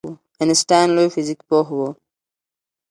آینسټاین لوی فزیک پوه و